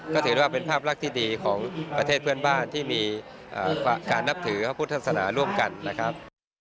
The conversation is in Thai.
ก็ถือว่าเป็นภาพลักษณ์ที่ดีของประเทศเพื่อนบ้านที่มีการนับถือพระพุทธศาสนาร่วมกันนะครับ